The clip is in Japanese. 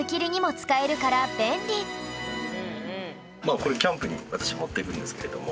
これキャンプに私持っていくんですけれども。